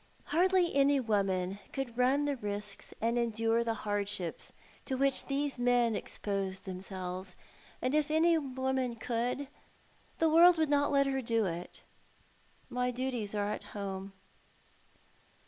Hardly any woman could run the risks and endure the hardships to which these men exposed themselves ; and if any woman could, the world would not let her do it. My duties are at home."